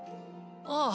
ああ。